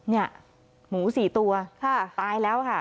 เนี่ยหมู๔ตัวตายแล้วค่ะ